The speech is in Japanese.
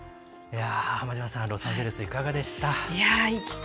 浜島さん、ロサンゼルスいかがでした？